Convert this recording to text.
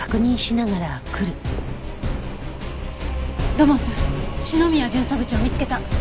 土門さん篠宮巡査部長を見つけた。